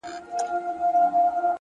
پرمختګ له تکراري هڅو زېږي!.